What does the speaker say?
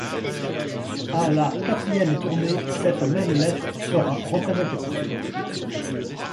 A la quatrième tournée, cette même lettre sera représentée.